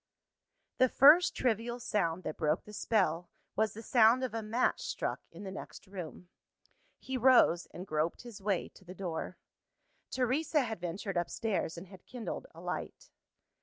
The first trivial sound that broke the spell, was the sound of a match struck in the next room. He rose, and groped his way to the door. Teresa had ventured upstairs, and had kindled a light.